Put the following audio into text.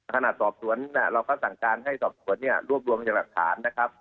ขณะสอบสวนเราก็สั่งการให้สอบสวนรวบรวมกันจากหักฐาน